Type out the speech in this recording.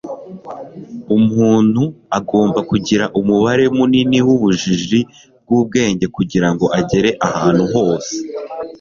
umuntu agomba kugira umubare munini w'ubujiji bwubwenge kugirango agere ahantu hose